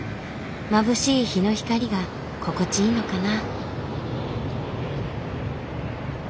まぶしい日の光が心地いいのかな。